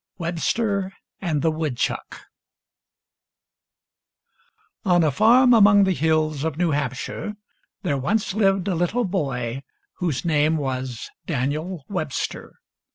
WEBSTER AND THE WOODCH^FCK On a farm among the hills of New Hampshire there once lived a little boy whose name was Daniel Webster.